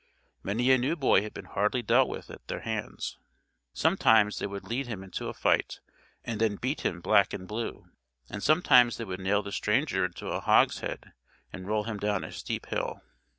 Many a new boy had been hardly dealt with at their hands. Sometimes they would lead him into a fight and then beat him black and blue, and sometimes they would nail the stranger into a hogshead and roll him down a steep hill.